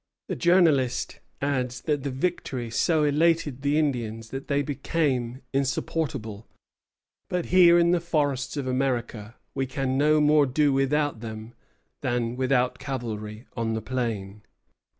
The journalist adds that the victory so elated the Indians that they became insupportable; "but here in the forests of America we can no more do without them than without cavalry on the plain."